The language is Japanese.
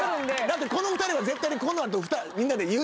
だってこの２人は絶対にこの後みんなで。